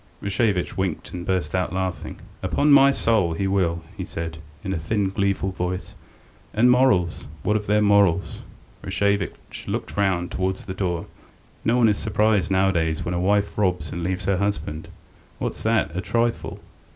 Rashevitch winked and burst out laughing. "Upon my soul, he will!" he said, in a thin, gleeful voice. "And morals! What of their morals?" Rashevitch looked round towards the door. "No one is surprised nowadays when a wife robs and leaves her husband. What's that, a trifle!